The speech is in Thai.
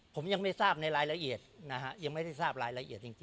ผมยังไม่ทราบในรายละเอียดนะฮะยังไม่ได้ทราบรายละเอียดจริง